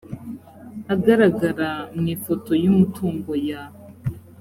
agaragara mu ifoto y umutungo ya